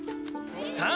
さあ！